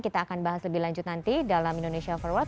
kita akan bahas lebih lanjut nanti dalam indonesia forward